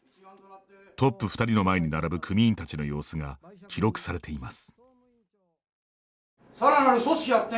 トップ２人の前に並ぶ組員たちの様子が記録されています。